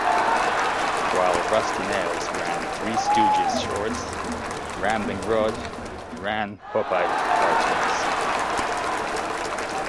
While Rusty Nails ran Three Stooges shorts, Ramblin' Rod ran Popeye cartoons.